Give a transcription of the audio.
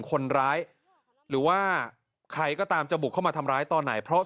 คนร้ายหรือว่าใครก็ตามจะบุกเข้ามาทำร้ายตอนไหนเพราะ